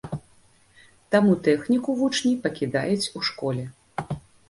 Таму тэхніку вучні пакідаюць у школе.